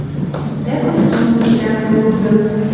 Дӓ костюм пӹцӓлгӹ-луды